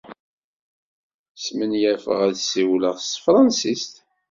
Smenyafeɣ ad ssiwleɣ s tefṛensist.